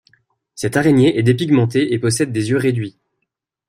Cette araignée est dépigmentée et possède des yeux réduits.